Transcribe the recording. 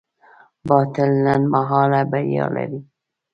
باطل لنډمهاله بریا لري.